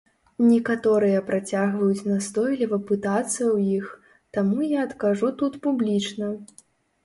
Некаторыя працягваюць настойліва пытацца ў іх, таму я адкажу тут публічна.